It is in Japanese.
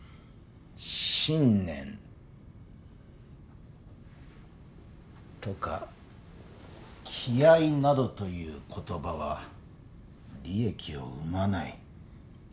「信念」とか「気合」などという言葉は利益を生まない。